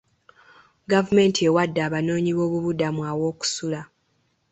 Gavumenti ewadde abanoonyi boobubudamu aw'okusula.